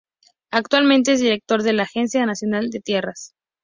Actualmente es director de la Agencia Nacional de Tierras.